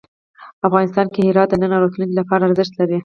افغانستان کې هرات د نن او راتلونکي لپاره ارزښت لري.